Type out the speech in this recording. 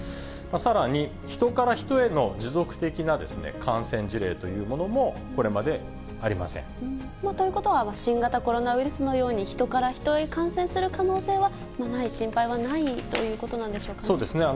さらにヒトからヒトへの持続的な感染事例というものも、これまでということは、新型コロナウイルスのように、ヒトからヒトへ感染する可能性はない、心配はないということなんそうですね。